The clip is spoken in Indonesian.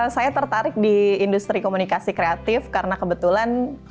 saya tertarik di industri komunikasi kreatif karena kebetulan